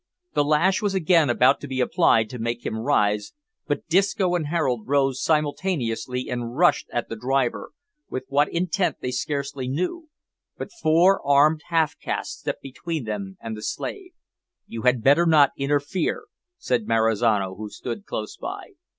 The lash was again about to be applied to make him rise, but Disco and Harold rose simultaneously and rushed at the driver, with what intent they scarcely knew; but four armed half castes stepped between them and the slave. "You had better not interfere," said Marizano, who stood close by.